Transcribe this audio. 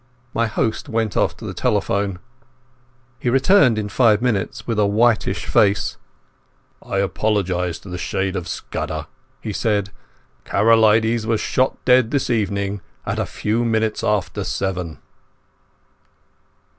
My host went off to the telephone. He returned in five minutes with a whitish face. "I apologize to the shade of Scudder," he said. "Karolides was shot dead this evening at a few minutes after seven."